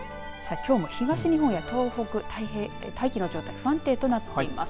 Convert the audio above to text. きょうも東日本や東北大気の状態不安定となっています。